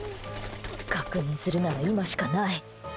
確認するなら今しかない。